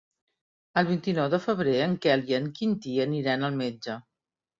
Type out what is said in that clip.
El vint-i-nou de febrer en Quel i en Quintí aniran al metge.